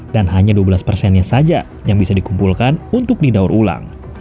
dan hanya dua belas persennya saja yang bisa dikumpulkan untuk didaur ulang